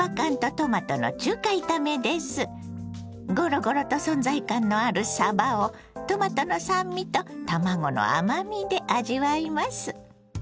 ごろごろと存在感のあるさばをトマトの酸味と卵の甘みで味わいます。